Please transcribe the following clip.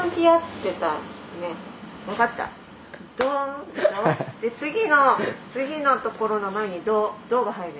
やっぱり次のところの前にドが入る。